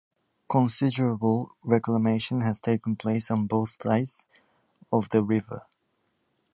Considerable reclamation has taken place on both sides of the river.